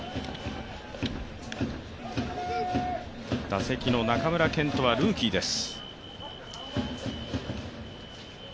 打席の中村健人はルーキーです。